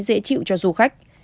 dễ chịu cho du khách